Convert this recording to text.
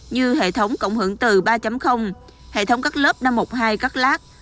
như hệ thống cộng hưởng từ ba hệ thống các lớp năm trăm một mươi hai cắt lát